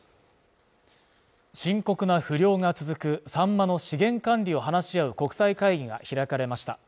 深刻な不漁が続くサンマの資源管理を話し合う国際会議が開かれました。